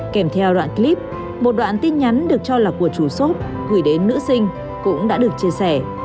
kèm theo đoạn clip một đoạn tin nhắn được cho là của chủ shop gửi đến nữ sinh cũng đã được chia sẻ